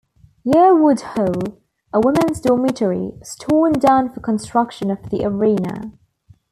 Yearwood Hall, a women's dormitory, was torn down for construction of the arena.